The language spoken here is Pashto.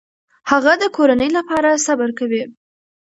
هغه د کورنۍ لپاره صبر کوي.